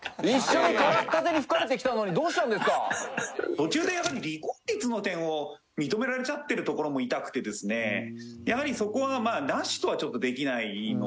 途中でやはり離婚率の点を認められちゃってるところも痛くてですねやはりそこはなしとはちょっとできないので。